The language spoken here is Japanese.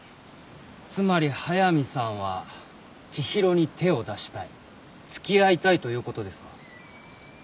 つまり速見さんは知博に手を出したい付き合いたいということですか？